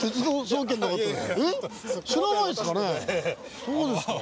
そうですか。